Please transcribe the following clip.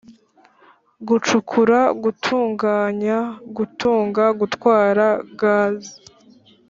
Gucukura gutunganya gutunga gutwara gaze